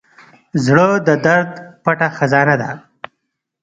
زړه د درد پټه خزانه ده.